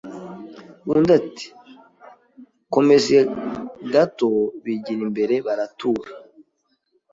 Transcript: Undi ati komeza gato Bigira imbere baratura